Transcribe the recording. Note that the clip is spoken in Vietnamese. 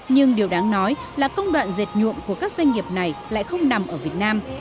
nhưng điều đáng nói là công đoạn dệt nhuộm của các doanh nghiệp này lại không nằm ở việt nam